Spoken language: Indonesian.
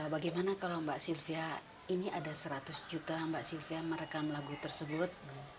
bagaimana kalau mbak sylvia ini ada seratus juta mbak sylvia merekam lagu tersebut